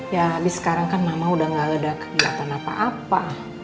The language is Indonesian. ya abis sekarang kan mama udah gak ada kegiatan apa apa